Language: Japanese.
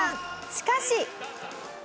しかし。